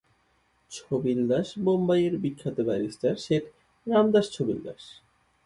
ছবিল দাস বোম্বাই-এর বিখ্যাত ব্যারিষ্টার শেঠ রামদাস ছবিল দাস।